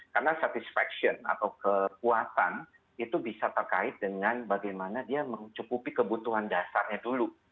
karena satisfaction atau kekuatan itu bisa terkait dengan bagaimana dia mencukupi kebutuhan dasarnya dulu